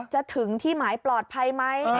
จะถึงที่หมายปลอดภัยไหม